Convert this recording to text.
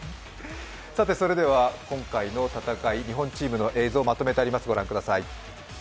それでは今回の戦い、日本チームの戦いを映像にまとめてあります。